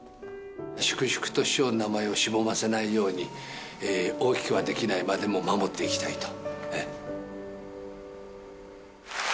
粛々と師匠の名前をしぼませないように、大きくはできないまでも、守っていきたいと。